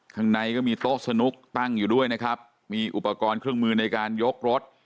ข้างในก็มีโต๊ะสนุกตั้งอยู่ด้วยนะครับมีอุปกรณ์เครื่องมือในการยกรถ